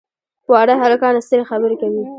واړه هلکان سترې خبرې کوي.